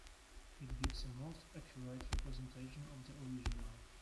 It gives a most accurate representation of the original.